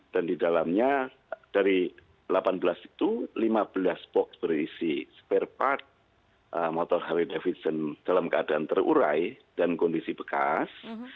dan di dalamnya dari delapan belas itu lima belas box berisi spare part motor harley davidson dalam keadaan terurai dan kondisi bekas